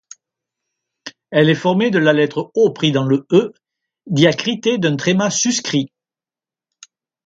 Elle est formée de la lettre Œ diacritée d’un tréma suscrit.